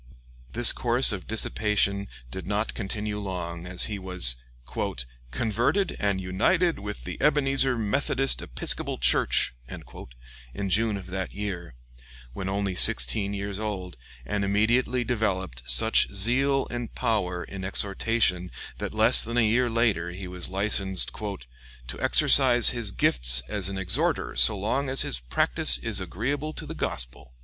This course of dissipation did not continue long, as he was "converted and united with the Ebenezer Methodist Episcopal Church" in June of that year, when only sixteen years old, and immediately developed such zeal and power in exhortation that less than a year later he was licensed to "exercise his gifts as an exhorter so long as his practice is agreeable to the gospel."